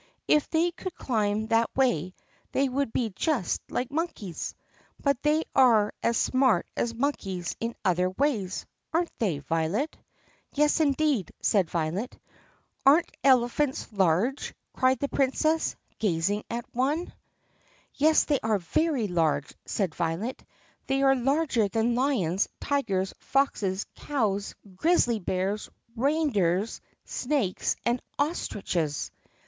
"If they could climb that way they would be just like monkeys. But they are as smart as monkeys in other ways, are n't they, Violet?" "Yes, indeed," said Violet. "Are n't elephants large!" cried the Princess, gazing at one. THE PUSSYCAT PRINCESS 4i ''Yes, they are very large," said Violet. "They are larger than lions, tigers, foxes, cows, grizzly bears, reindeers, snakes, and ostriches."